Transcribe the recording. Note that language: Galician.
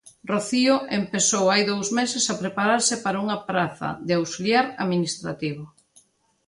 Rocío empezou hai dous meses a prepararse para unha praza de auxiliar administrativo.